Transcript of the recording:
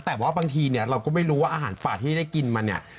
แต่ว่าบางทีเนี่ยเราก็ไม่รู้ว่าอาหารป่าที่ได้กินมาเนี่ย